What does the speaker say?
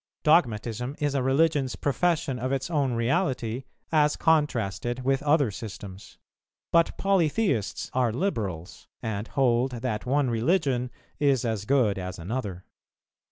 Dogmatism is a religion's profession of its own reality as contrasted with other systems; but polytheists are liberals, and hold that one religion is as good as another.